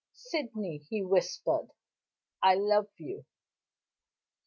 "Sydney," he whispered, "I love you."